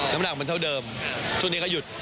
น้ำหนังมันเท่าเดิมส่วนเดียวก็หยุด